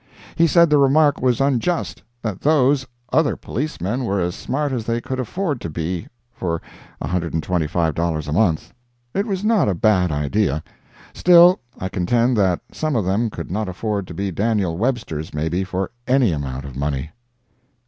He said the remark was unjust—that those "other policemen were as smart as they could afford to be for $125 a month." It was not a bad idea. Still, I contend that some of them could not afford to be Daniel Websters, maybe, for any amount of money.